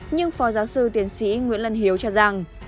nhưng phó giáo sư tiến sĩ nguyễn lân hiếu cho rằng